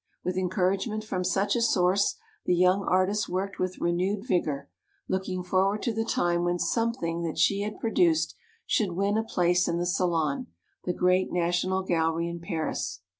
With encouragement from such a source the young artist worked with renewed vigor, looking forward to the time when something that she had produced should win a place in the Salon, the great national gallery in Paris.